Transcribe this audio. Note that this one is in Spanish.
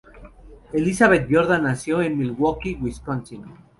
Elizabeth Jordan nació en Milwaukee, Wisconsin.